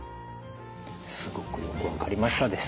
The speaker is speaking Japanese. すごくよく分かりましたですね。